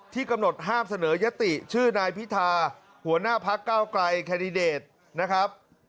กำหนดห้ามเสนอยติชื่อนายพิธาหัวหน้าพักเก้าไกลแคนดิเดตนะครับ